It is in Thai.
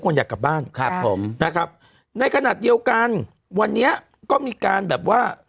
ทุกคนอยากกลับบ้านในขณะเดียวกันวันนี้ก็มีการแบบว่า